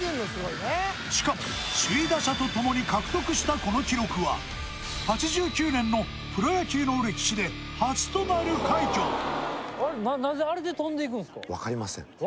しかも首位打者とともに獲得したこの記録は８９年のプロ野球の歴史で初となる快挙分かりません？